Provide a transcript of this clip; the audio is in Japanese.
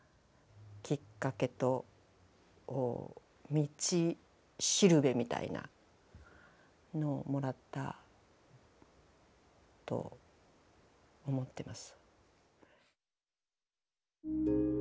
きっかけと道しるべみたいなのをもらったと思ってます。